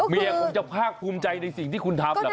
คงจะภาคภูมิใจในสิ่งที่คุณทำเหรอครับ